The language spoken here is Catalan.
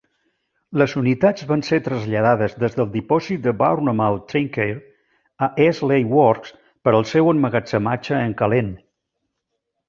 Les unitats van ser traslladades des del dipòsit de Bournemouth Traincare a Eastleigh Works per al seu emmagatzematge en calent.